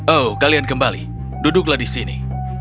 oh kalian kembali duduklah di sini